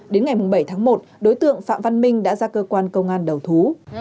đến ngày bảy tháng một đối tượng phạm văn minh đã ra cơ quan công an đầu thú